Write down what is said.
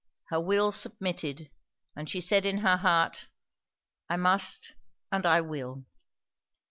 Her will submitted, and she said in her heart, "I must, and I will."